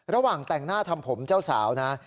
ระหว่างแต่งหน้าทำผมเจ้าสาวนะ